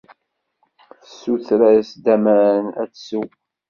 Tessuter-as-d aman ad tsew.